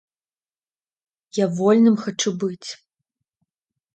Я вольным хачу быць.